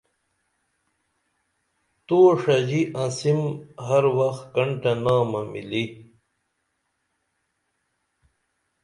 تو ݜژی انسِم ہر وخ کنٹہ نامہ مِلی